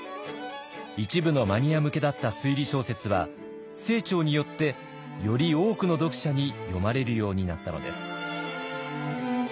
一部のマニア向けだった推理小説は清張によってより多くの読者に読まれるようになったのです。